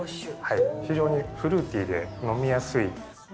非常にフルーティーで、飲みやすい。